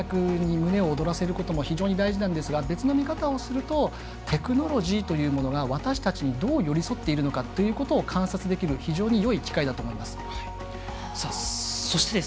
もちろんアスリートの活躍に胸を躍らせることも非常に大事なんですが別の見方をするとテクノロジーというものが私たちにどう寄り添っているのかというのを観察できる非常によい機会だと思います。